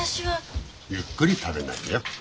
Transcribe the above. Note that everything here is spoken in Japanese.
ゆっくり食べないよ。